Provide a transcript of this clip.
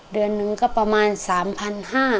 เดือนหนึ่งก็ประมาณ๓๕๐๐บาท